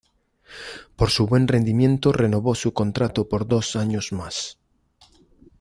Por su buen rendimiento renovó su contrato por dos años más.